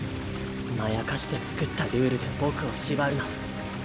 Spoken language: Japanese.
まやかしで作ったルールで僕を縛るな。